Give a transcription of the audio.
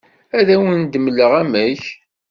Ad awen-d-mleɣ amek.